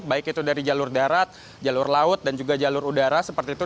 baik itu dari jalur darat jalur laut dan juga jalur udara seperti itu